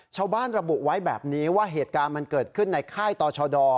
ชาวบ้านระบุไว้แบบนี้ว่าเหตุการณ์มันเกิดขึ้นในค่ายต่อชาวดอร์